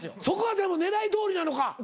そこはでも狙いどおりなのか。